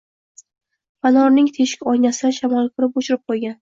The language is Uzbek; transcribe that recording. Fanorning teshik oynasi dan shamol kirib o`chirib qo`ygan